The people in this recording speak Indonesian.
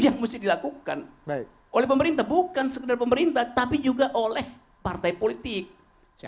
yang mesti dilakukan oleh pemerintah bukan sekedar pemerintah tapi juga oleh partai politik saya